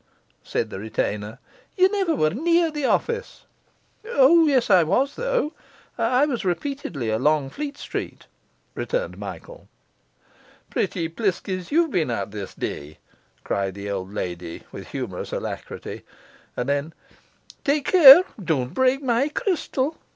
said the retainer, 'ye never were near the office!' 'O yes, I was though; I was repeatedly along Fleet Street,' returned Michael. 'Pretty pliskies ye've been at this day!' cried the old lady, with humorous alacrity; and then, 'Take care don't break my crystal!